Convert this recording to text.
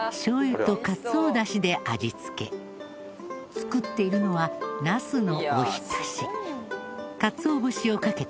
作っているのはナスのおひたし。